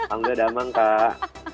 aku udah damang kak